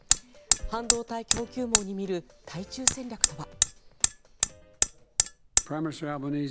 半導体供給網に見る対中戦略とは。